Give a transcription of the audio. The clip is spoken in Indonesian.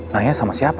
nanya sama siapa